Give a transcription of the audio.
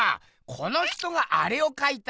この人がアレをかいた。